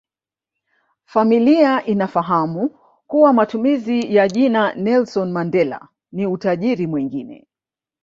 Familia inafahamu kuwa matumizi ya jina Nelson Mandela ni utajiri mwingine